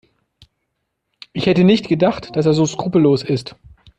Ich hätte nicht gedacht, dass er so skrupellos ist.